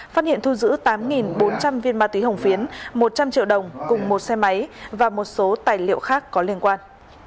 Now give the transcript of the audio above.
phát hiện thu giữ tám bốn trăm linh viên ma túy hồng phiến một trăm linh triệu đồng cùng một xe máy và một số tài liệu khác có liên quan